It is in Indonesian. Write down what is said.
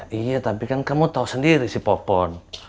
ya iya tapi kan kamu tau sendiri si popon